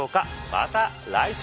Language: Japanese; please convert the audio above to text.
また来週。